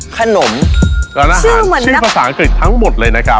ขนมร้านอาหารชื่อภาษาอังกฤษทั้งหมดเลยนะครับ